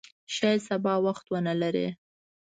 شاید سبا وخت ونه لرې !